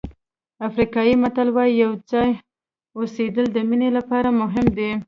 افریقایي متل وایي یو ځای اوسېدل د مینې لپاره مهم دي.